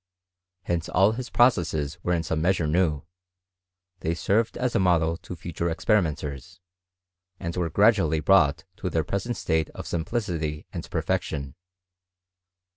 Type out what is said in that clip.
Hence all his processes were in some measure new : they served as a model to future experimenters, and were gradually brought to their present state of simplicity and per fection.